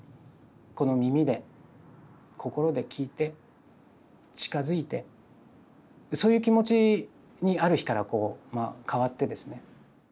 この耳で心で聞いて近づいてそういう気持ちにある日からこうまあ変わってですね。